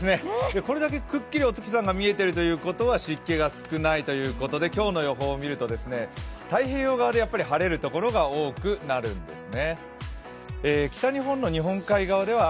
これだけくっきりお月さんが見えてるということは湿気が少ないということで、今日の予報を見ると、太平洋側で晴れる所が多くなるんですね。